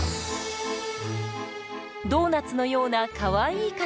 ドーナツのようなかわいい形。